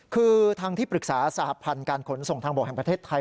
คือทางที่ปรึกษาสหพันธ์การขนส่งทางบกแห่งประเทศไทย